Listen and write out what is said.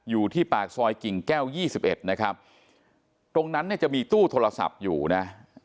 อยู่ที่ปากซอยกิ่งแก้ว๒๑นะครับตรงนั้นเนี่ยจะมีตู้โทรศัพท์อยู่นะ